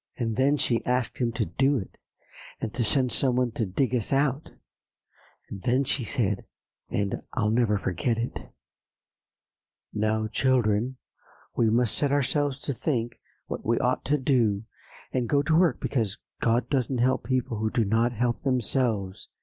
"And then she asked Him to do it, and to send some one to dig us out; and then she said, and I'll never forget it, 'Now, children, we must set ourselves to think what we ought to do, and go to work, because God doesn't help people who do not help themselves.